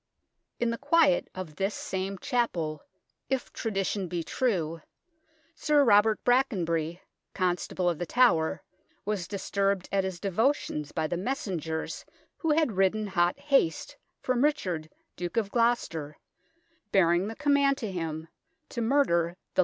In the quiet of this same chapel, if tradition be true, Sir Robert Brackenbury, Constable of The Tower, was disturbed at his devotions by the messengers who had ridden hot haste from Richard Duke of Gloucester, bearing the command to him to murder the little ST.